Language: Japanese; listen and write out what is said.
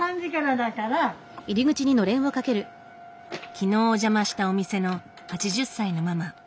昨日お邪魔したお店の８０歳のママ。